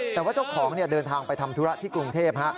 แต่ว่าเจ้าของเดินทางไปทำธุระที่กรุงเทพ